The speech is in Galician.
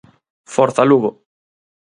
Forza, Lugo!